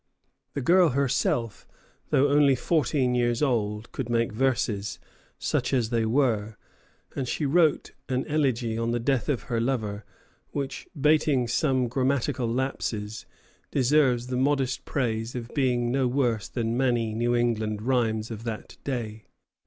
The girl herself, though only fourteen years old, could make verses, such as they were; and she wrote an elegy on the death of her lover which, bating some grammatical lapses, deserves the modest praise of being no worse than many New England rhymes of that day.